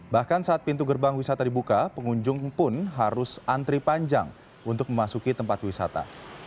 bahkan saat pintu gerbang wisata dibuka pengunjung pun harus antri panjang untuk memasuki tempat wisata